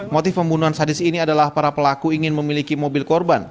motif pembunuhan sadis ini adalah para pelaku ingin memiliki mobil korban